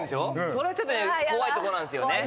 それはちょっと怖いとこなんですよね。